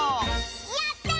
やった！